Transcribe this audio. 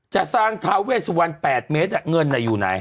จะสร้างทาเวสวันแปดเมตรอ่ะเงินอายุไหน